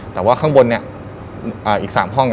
แต่ว่าข้างบนอีก๓ห้อง